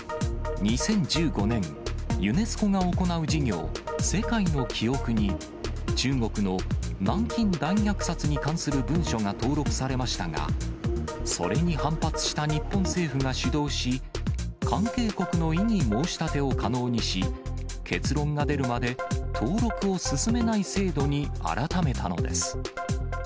２０１５年、ユネスコが行う事業、世界の記憶に、中国の南京大虐殺に関する文書が登録されましたが、それに反発した日本政府が主導し、関係国の異議申し立てを可能にし、結論が出るまで登録を進めない制度に改めたのです。